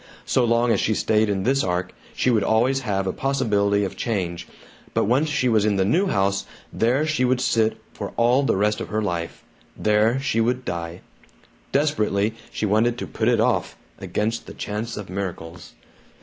So long as she stayed in this ark, she would always have a possibility of change, but once she was in the new house, there she would sit for all the rest of her life there she would die. Desperately she wanted to put it off, against the chance of miracles.